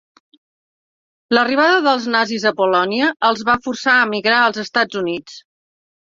L'arribada dels nazis a Polònia els va forçar a emigrar als Estats Units.